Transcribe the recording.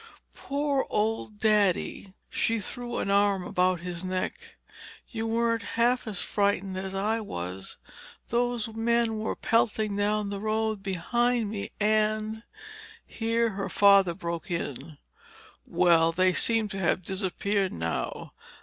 "Poor old Daddy." She threw an arm about his neck. "You weren't half as frightened as I was. Those men were pelting down the road behind me and—" Her father broke in. "Well, they seem to have disappeared now.